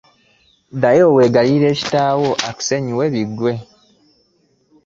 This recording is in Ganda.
Ddayo weegayirire kitaawo akusonyiwe biggwe.